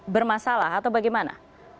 bermasalah atau bagaimana